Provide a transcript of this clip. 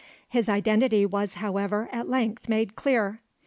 His identity was, however, at length made clear.